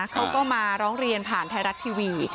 เขาก็มาร้องเรียนผ่านไทยรัฐทีวี